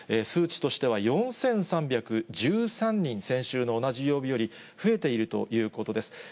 数値としては４３１３人、先週の同じ曜日より増えているということです。